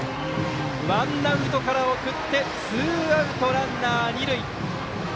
ワンアウトから送ってツーアウト、ランナー、二塁。